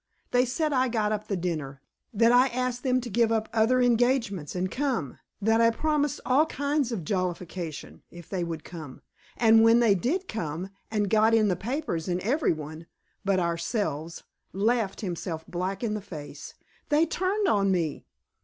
They said I got up the dinner, that I asked them to give up other engagements and come, that I promised all kinds of jollification, if they would come; and then when they did come and got in the papers and every one but ourselves laughed himself black in the face, they turned on ME!